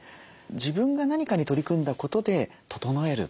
自分が何かに取り組んだことで整える。